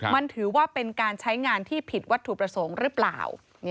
มันถือว่าเป็นการใช้งานที่ผิดวัตถุประสงค์หรือเปล่า